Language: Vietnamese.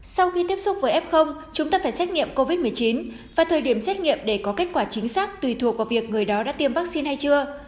sau khi tiếp xúc với f chúng ta phải xét nghiệm covid một mươi chín và thời điểm xét nghiệm để có kết quả chính xác tùy thuộc vào việc người đó đã tiêm vaccine hay chưa